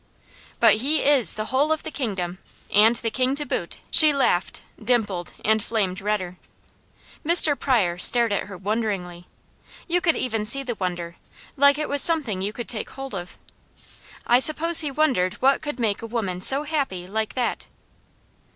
"But he is the whole of the kingdom, and the King to boot!" she laughed, dimpled, and flamed redder. Mr. Pryor stared at her wonderingly. You could even see the wonder, like it was something you could take hold of. I suppose he wondered what could make a woman so happy, like that.